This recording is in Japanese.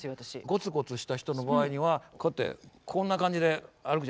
ゴツゴツした人の場合にはこうやってこんな感じで歩くじゃないですか。